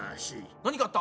何があった？